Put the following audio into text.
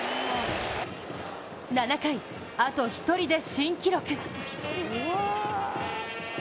７回、あと１人で新記録。